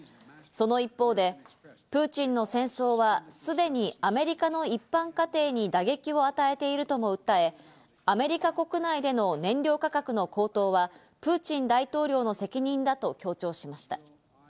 その一方でプーチンの戦争は、すでにアメリカの一般家庭に打撃を与えているとも訴え、アメリカ国内での燃料価格の高騰は、プーチン大統領の責任だと強調しました。